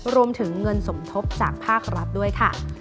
รวมถึงเงินสมทบจากภาครัฐด้วยค่ะ